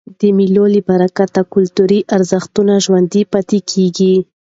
د مېلو له برکته کلتوري ارزښتونه ژوندي پاته کېږي.